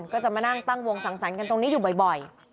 ก็จะมานั่งตั้งวงสังสรรค์กันตรงนี้อยู่บ่อย